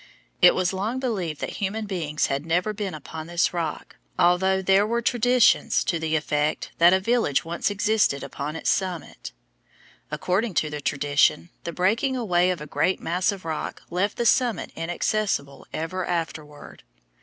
It was long believed that human beings had never been upon this rock, although there were traditions to the effect that a village once existed upon its summit. According to the tradition, the breaking away of a great mass of rock left the summit inaccessible ever afterward.